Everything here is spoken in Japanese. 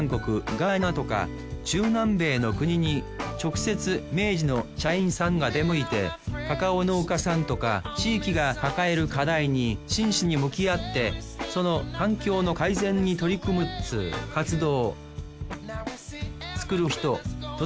ガーナとか中南米の国に直接明治の社員さんが出向いてカカオ農家さんとか地域が抱える課題に真摯に向き合ってその環境の改善に取り組むっつう活動